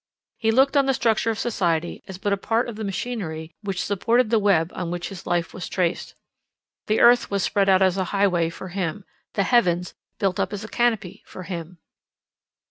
He looked on the structure of society as but a part of the machinery which supported the web on which his life was traced. The earth was spread out as an highway for him; the heavens built up as a canopy for him.